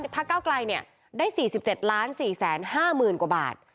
พักเก้ากลายเนี่ยได้๔๗๔๕๐๐๐๐กว่าบาท